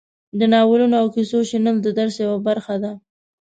د نالونو او کیسو شنل د درس یوه برخه ده.